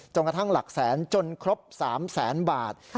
กระทั่งหลักแสนจนครบ๓แสนบาท